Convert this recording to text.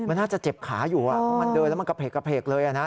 มันน่าจะเจ็บขาอยู่เพราะมันเดินแล้วมันกระเพกเลยนะ